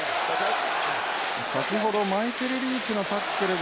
先ほどマイケルリーチのタックルが。